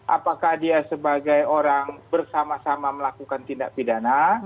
apakah dia sebagai orang bersama sama melakukan tindak pidana